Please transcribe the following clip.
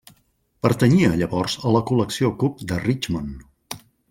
Pertanyia llavors a la col·lecció Cook de Richmond.